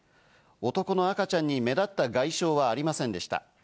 男の赤ちゃんに目立った外傷はありませんでした。